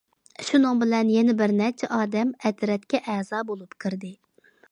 شۇنىڭ بىلەن يەنە بىر نەچچە ئادەم ئەترەتكە ئەزا بولۇپ كىردى.